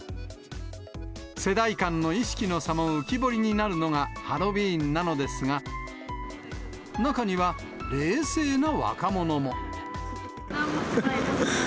世代間の意識の差も浮き彫りになるのが、ハロウィーンなのですが、中には、何もしないです。